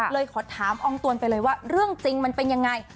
ขอถามอองตวนไปเลยว่าเรื่องจริงมันเป็นยังไง